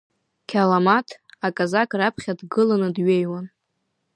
Қьаламаҭ аказак раԥхьа дгыланы дҩеиуан.